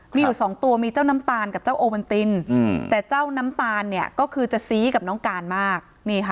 มีอยู่สองตัวมีเจ้าน้ำตาลกับเจ้าโอมันตินแต่เจ้าน้ำตาลเนี่ยก็คือจะซี้กับน้องการมาก